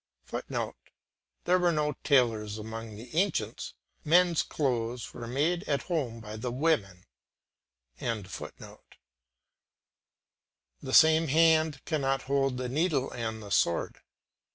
[Footnote: There were no tailors among the ancients; men's clothes were made at home by the women.] The same hand cannot hold the needle and the sword.